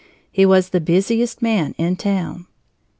He was the busiest man in town.